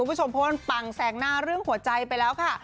คุณผู้ชมพลปังแสงหน้าเรื่องหัวใจไปแล้วค่ะ